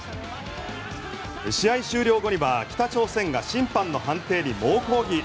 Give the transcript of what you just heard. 試合終了後には北朝鮮が審判の判定に猛抗議。